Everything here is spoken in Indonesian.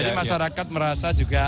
jadi masyarakat merasa juga